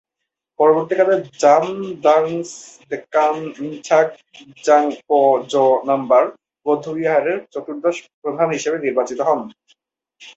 পরবর্তীকালে 'জাম-দ্ব্যাংস-দ্কোন-ম্ছোগ-ব্জাং-পো জো-নম্বর বৌদ্ধবিহারের চতুর্দশ প্রধান হিসেবে নির্বাচিত হন।